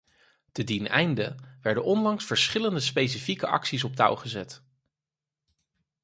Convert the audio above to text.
Te dien einde werden onlangs verschillende specifieke acties op touw gezet.